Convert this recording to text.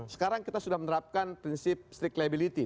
sekarang kita sudah menerapkan prinsip strict liability